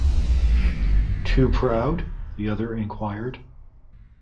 ‘Too proud?’ the other inquired.